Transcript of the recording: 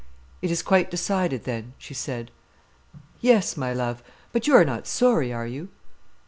"It is quite decided, then?" she said. "Yes, my love. But you are not sorry, are you?"